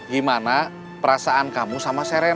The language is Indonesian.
gimana perasaan kamu sama seren